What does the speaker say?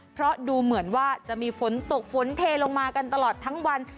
เพราะดูเหมือนว่าจะมีฝนตกฝนเทลงมากันตลอดทั้งวัน